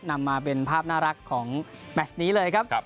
นำมาเป็นภาพน่ารักของแมชนี้เลยครับ